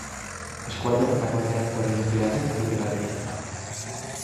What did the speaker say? Eskualde horretako erreaktore nuklearrek ez dute kalterik izan.